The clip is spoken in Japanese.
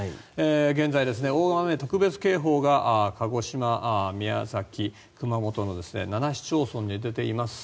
現在、大雨特別警報が鹿児島、宮崎、熊本の７市町村に出ています。